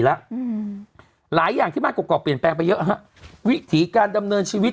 ละหลายอย่างที่มากกเปลี่ยนแปลงไปเยอะวิถีการดำเนินชีวิต